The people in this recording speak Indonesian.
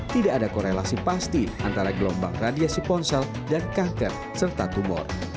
tidak ada korelasi pasti antara gelombang radiasi ponsel dan kanker serta tumor